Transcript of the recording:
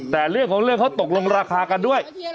แต่เรื่องของเรื่องเขาตกลงราคากันด้วย